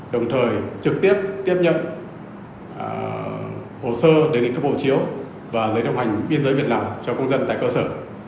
đồng thời trực tiếp tiếp nhập hồ sơ để ghi cấp hồ chiếu và giấy thông hành biên giới việt nam cho công dân tại cơ sở